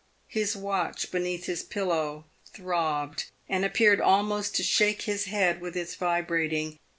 His watch beneath his pillow throbbed, and appeared almost to shake his head with its vibrating.